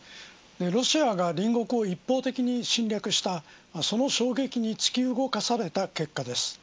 ロシアが隣国を一方的に侵略したその衝撃に突き動かされた結果です。